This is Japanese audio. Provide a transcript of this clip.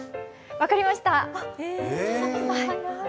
分かりました。